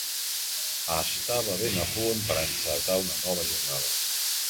Estava ben a punt per a encetar una nova jornada